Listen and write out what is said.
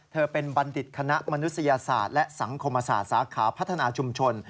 เธอเป็นบัณฑิตคณะมนุษยศาสตร์และสังคมศาสตร์สาขาพัฒนาชุมชน